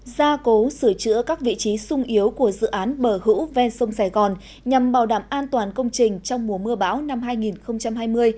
gia cố sửa chữa các vị trí sung yếu của dự án bờ hữu ven sông sài gòn nhằm bảo đảm an toàn công trình trong mùa mưa bão năm hai nghìn hai mươi